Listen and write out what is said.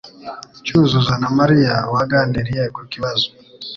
Cyuzuzo na Mariya baganiriye ku kibazo.